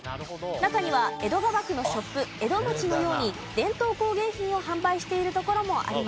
中には江戸川区のショップエドマチのように伝統工芸品を販売している所もあります。